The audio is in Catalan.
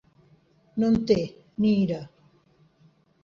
No en té, ni ira.